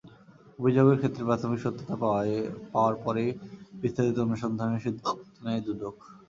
অভিযোগের ক্ষেত্রে প্রাথমিক সত্যতা পাওয়ার পরই বিস্তারিত অনুসন্ধানের সিদ্ধান্ত নেয় দুদক।